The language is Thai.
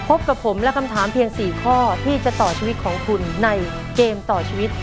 พบกับผมและคำถามเพียง๔ข้อที่จะต่อชีวิตของคุณในเกมต่อชีวิต